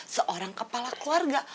seorang kepala keluarga